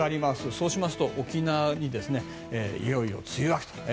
そうしますと沖縄にいよいよ梅雨明けと。